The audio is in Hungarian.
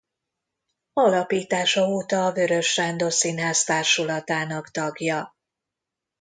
Alapítása óta a Weöres Sándor Színház társulatának tagja.